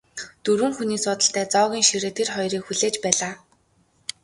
Дөрвөн хүний суудалтай зоогийн ширээ тэр хоёрыг хүлээж байлаа.